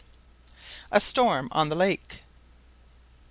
A STORM ON THE LAKE.